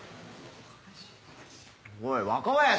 おい若林